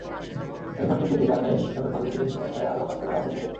একই সঙ্গে তিনি গাজায় বেসামরিক মানুষদের রক্ষায় আরও কাজ করার আহ্বান জানিয়েছেন।